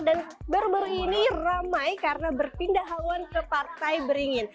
dan baru baru ini ramai karena berpindah hawan ke partai beringin